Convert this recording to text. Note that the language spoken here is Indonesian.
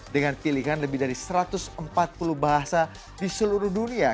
dengan pilihan lebih dari satu ratus empat puluh bahasa di seluruh dunia